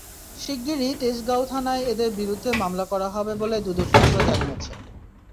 শিগগিরই তেজগাঁও থানায় এঁদের বিরুদ্ধে মামলা করা হবে বলে দুদক সূত্র জানিয়েছে।